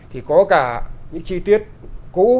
thì có cả những chi tiết cũ